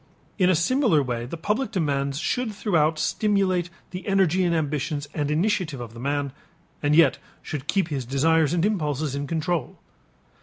In a similar way the public demands should throughout stimulate the energy and ambitions and initiative of the man, and yet should keep his desires and impulses in control.